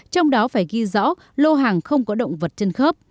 trong đó phải ghi rõ lô hàng không có động vật chân khớp